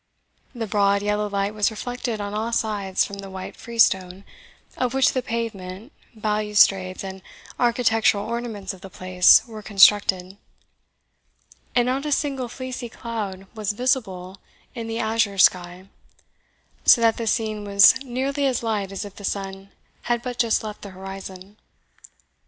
The broad, yellow light was reflected on all sides from the white freestone, of which the pavement, balustrades, and architectural ornaments of the place were constructed; and not a single fleecy cloud was visible in the azure sky, so that the scene was nearly as light as if the sun had but just left the horizon.